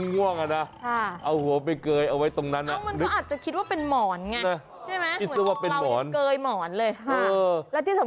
มันเป็นท่านอนที่สบายใช่ไหม